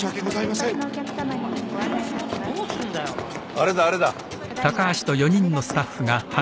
あれだあれだ。